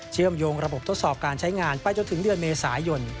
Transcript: เชื่อมโยงระบบทดสอบการใช้งานไปจนถึงเดือนเมษายน